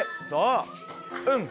そう！